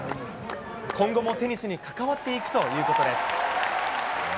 今後もテニスに関わっていくということです。